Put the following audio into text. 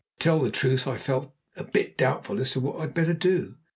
To tell the truth, I felt a bit doubtful as to what I'd better do.